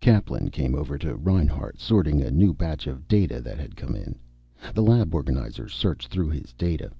Kaplan came over to Reinhart, sorting a new batch of data that had come in. The lab organizer searched through his data.